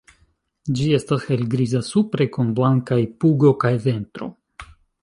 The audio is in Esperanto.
Ĝi estas helgriza supre kun blankaj pugo kaj ventro.